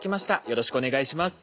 よろしくお願いします。